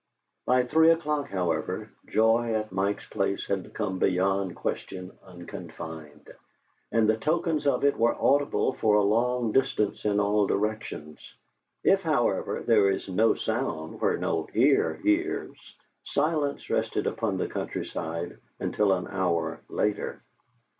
By three o'clock, however, joy at Mike's Place had become beyond question unconfined, and the tokens of it were audible for a long distance in all directions. If, however, there is no sound where no ear hears, silence rested upon the country side until an hour later.